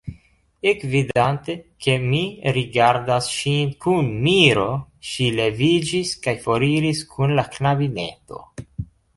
Ekvidante, ke mi rigardas ŝin kun miro, ŝi leviĝis kaj foriris kun la knabineto.